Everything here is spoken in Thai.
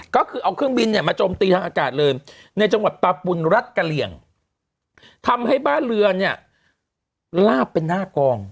ก็คือเอาเครื่องบินเนี่ยมาโจมตีทางอากาศเลยในจังหวัดปลาปุณรัฐกะเหลี่ยงทำให้บ้านเรือนเนี่ยลาบเป็นหน้ากอง